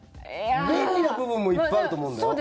便利な部分もいっぱいあると思うんだよ。